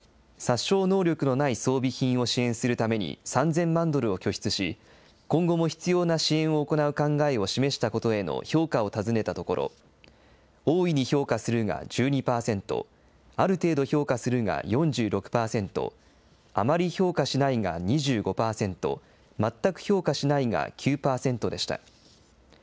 岸田総理大臣が先にウクライナを訪問してゼレンスキー大統領と会談し、殺傷能力のない装備品を支援するために３０００万ドルを拠出し、今後も必要な支援を行う考えを示したことへの評価を尋ねたところ、大いに評価するが１２％、ある程度評価するが４６％、あまり評価しないが２５％、全く評価しないが９％でした。